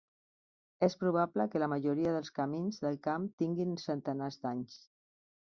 És probable que la majoria dels camins del camp tinguin centenars d'anys.